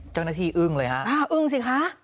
เจ้าหน้าที่อึ้งเลยฮะอึ้งสิคะ